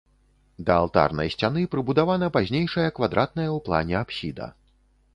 Да алтарнай сцяны прыбудавана пазнейшая квадратная ў плане апсіда.